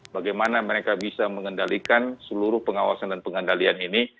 bagaimana mereka bisa mengendalikan seluruh pengawasan dan pengendalian ini